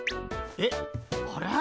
えっあれ？